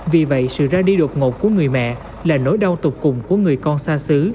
vì vậy sự ra đi đột ngột của người mẹ là nỗi đau tục cùng của người con xa xứ